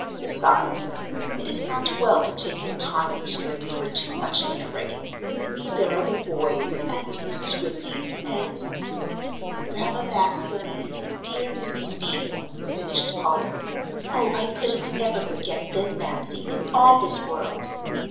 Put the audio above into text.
Besides, it is not well to take your time and strength for too much letter writing, for there are the boys, and Mrs. Whitney and " "Grandma Bascom and dear Mrs. Beebe," finished Polly. "Oh, I couldn't ever forget them, Mamsie, in all this world."